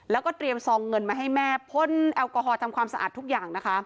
แล้วก็เตรียมซองเงินมาให้แม่พ่นแอลกอฮอล์ทำความสะอาดทุกอย่างนะคะ